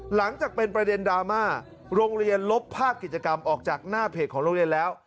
หลังจากเป็นประเด็นดราม่าโรงเรียนลบภาพกิจกรรมออกจากหน้าเพจของโรงเรียนแล้ว